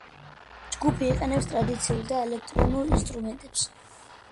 ჯგუფი იყენებს ტრადიციულ და ელექტრონულ ინსტრუმენტებს.